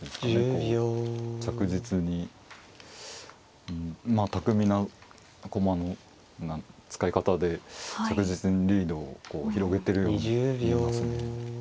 こう着実にうんまあ巧みな駒の使い方で着実にリードを広げてるように見えますね。